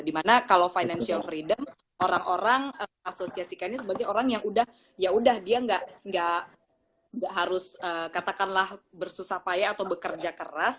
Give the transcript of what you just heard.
dimana kalau financial freedom orang orang asosiasikannya sebagai orang yang udah ya udah dia nggak harus katakanlah bersusah payah atau bekerja keras